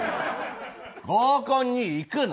合コンに行くの。